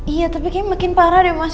iya tapi kayaknya makin parah deh mas